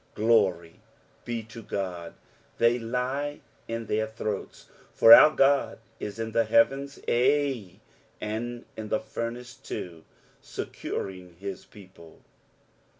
Glory be to God, they lie in their throats, for our God is in the heavens, ay, and in the furnace too, niccouring his people.